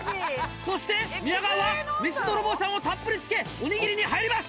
そして宮川はめしどろぼうさんをたっぷりつけおにぎりに入ります。